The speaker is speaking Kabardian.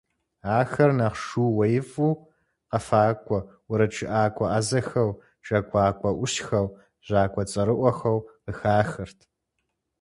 Ахэр нэхъ шууеифӀу, къэфакӀуэ, уэрэджыӀакӀуэ Ӏэзэхэу, джэгуакӀуэ Ӏущхэу, жьакӀуэ цӀэрыӀуэхэу къыхахырт.